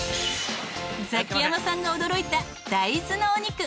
ザキヤマさんが驚いた大豆のお肉。